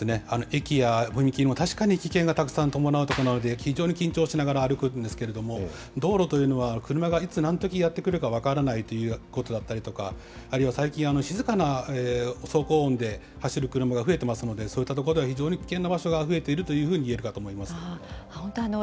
駅や踏切も確かに危険がたくさん伴う所なので、非常に緊張しながら歩くんですけれども、道路というのは車がいつ何時やって来るか分からないということだったりとか、あるいは最近、静かな走行音で走る車が増えてますので、そういったところでは非常に危険なところが増えているというふうにいえるかと思います。